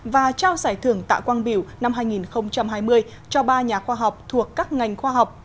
và trao giải thưởng tạ quang biểu năm hai nghìn hai mươi cho ba nhà khoa học thuộc các ngành khoa học